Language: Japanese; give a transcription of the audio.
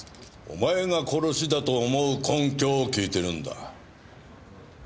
お前が殺しだと思う根拠を聞いてるんだ。